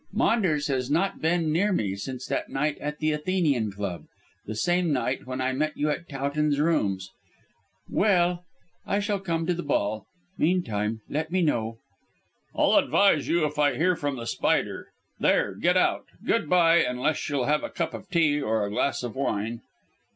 Maunders has not been near me since that night at the Athenian Club the same night when I met you at Towton's rooms. Well, I shall come to the ball. Meantime, let me know " "I'll advise you if I hear from The Spider. There, get out. Good bye, unless you'll have a cup of tea or a glass of wine."